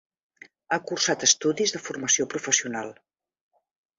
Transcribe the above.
Ha cursat estudis de formació professional.